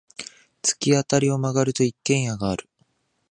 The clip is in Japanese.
突き当たりを曲がると、一軒家がある。